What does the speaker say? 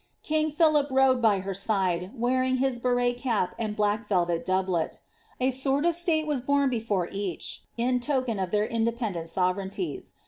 Kit Philip rode by her side, wearing his berrel cap and black velvet doubUb^ A aword of slitle was borne before each, in token of their independeBf | totereignties.